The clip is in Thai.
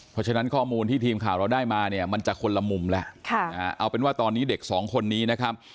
เพราะฉะนั้นข้อมูลที่ทีมข่าวเราได้มาเนี่ยมันจะคนละมุมแล้วเอาเป็นว่าตอนนี้เด็กสองคนนี้นะครับ